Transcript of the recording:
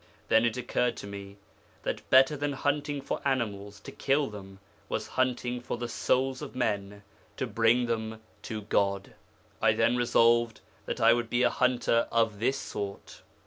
Then it occurred to me that better than hunting for animals, to kill them, was hunting for the souls of men to bring them to God. I then resolved that I would be a hunter of this sort.